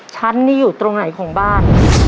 ฉันนี่อยู่ตรงไหนของบ้าน